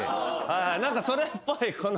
何かそれっぽいこの。